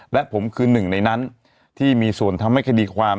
และผมคือหนึ่งในนั้นที่มีส่วนทำให้คดีความ